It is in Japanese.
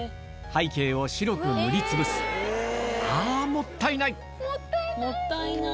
背景を白く塗りつぶすあもったいない！